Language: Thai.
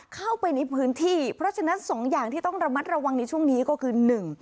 เข้าไปในพื้นที่เพราะฉะนั้นสองอย่างที่ต้องระมัดระวังในช่วงนี้ก็คือหนึ่ง